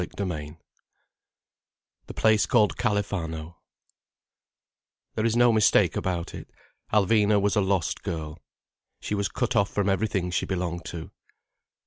CHAPTER XV THE PLACE CALLED CALIFANO There is no mistake about it, Alvina was a lost girl. She was cut off from everything she belonged to.